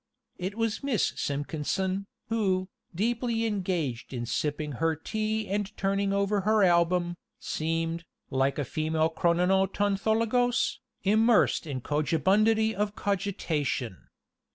It was Miss Simpkinson, who, deeply engaged in sipping her tea and turning over her album, seemed, like a female Chrononotonthologos, "immersed in cogibundity of cogitation."